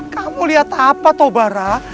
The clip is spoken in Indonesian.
kamu lihat apa toh barah